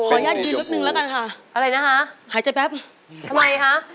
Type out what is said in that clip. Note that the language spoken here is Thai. อยากยืนนิดนึงแล้วกันค่ะอะไรนะคะหายใจแป๊บทำไมคะ